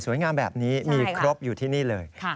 งามแบบนี้มีครบอยู่ที่นี่เลย